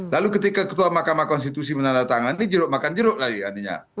lalu ketika ketua mahkamah konstitusi menandatangani jeruk makan jeruk laginya